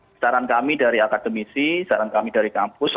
saran kami dari akademisi saran kami dari kampus